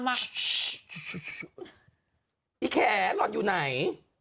แยสร้อนอยู่ไหน